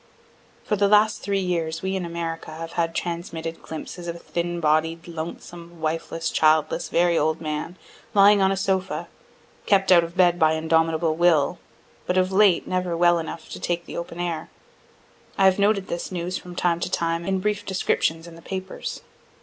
For the last three years we in America have had transmitted glimpses of a thin bodied, lonesome, wifeless, childless, very old man, lying on a sofa, kept out of bed by indomitable will, but, of late, never well enough to take the open air. I have noted this news from time to time in brief descriptions in the papers.